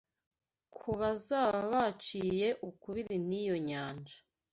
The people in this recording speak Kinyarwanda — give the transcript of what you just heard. Ku bazaba baciye ukubiri n’iyo nyanja